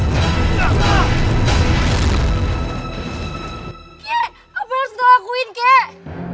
gek apa yang harus gue lakuin gek